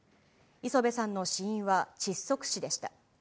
礒辺さんの死因は窒息死でした。